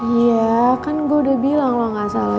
iya kan gue udah bilang lo gak salah